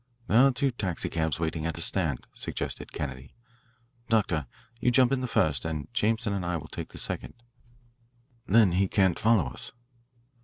"There are two taxicabs waiting at the stand," suggested Kennedy. "Doctor, you jump in the first, and Jameson and I will take the second. Then he can't follow us."